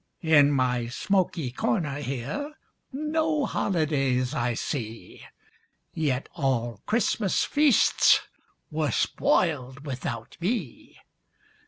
In my smoky corner here No holidays I see, Yet all Christmas feasts Were spoiled without me.